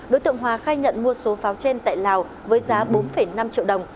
đối tượng hòa khai nhận mua số pháo trên tại lào với giá bốn năm triệu đồng